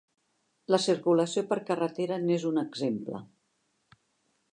La circulació per carretera n'és un exemple.